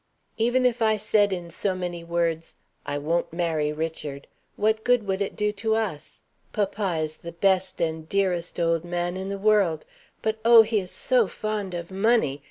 Even if I said in so many words, 'I won't marry Richard,' what good would it do to us? Papa is the best and dearest old man in the world; but oh, he is so fond of money!